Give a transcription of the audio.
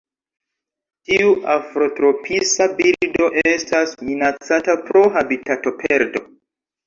Tiu afrotropisa birdo estas minacata pro habitatoperdo.